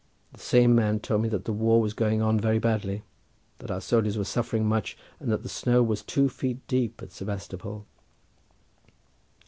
The same man told me that the war was going on very badly, that our soldiers were suffering much, and that the snow was two feet deep at Sebastopol.